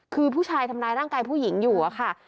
คือผู้ชายทำร้ายร่างกายผู้หญิงอยู่อะค่ะ